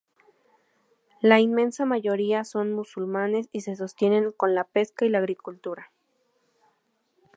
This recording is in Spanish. La inmensa mayoría son musulmanes y se sostienen con la pesca y la agricultura.